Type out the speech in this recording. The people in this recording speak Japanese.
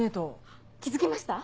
あっ気付きました？